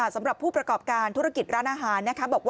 สำหรับผู้ประกอบการธุรกิจร้านอาหารบอกว่า